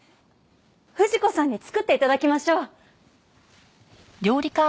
藤子さんに作って頂きましょう。